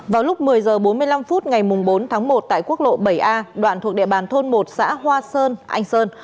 vào lúc một mươi h bốn mươi năm phút ngày bốn tháng một tại quốc lộ bảy a đoạn thuộc địa bàn thôn một xã hoa sơn anh sơn